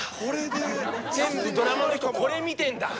全部ドラマの人これ見てんだ！